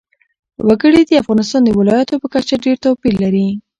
وګړي د افغانستان د ولایاتو په کچه ډېر توپیر لري.